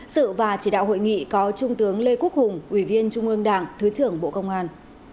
sự và chỉ đạo hội nghị có trung tướng lê quốc hùng ủy viên trung ương đảng thứ trưởng bộ công an